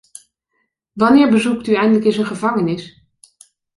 Wanneer bezoekt u eindelijk eens een gevangenis?